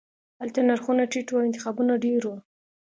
هلته نرخونه ټیټ وو او انتخابونه ډیر وو